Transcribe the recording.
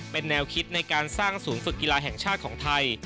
เป็นแนวคิดในการสร้างศูนย์ฝึกกีฬาแห่งชาติของไทย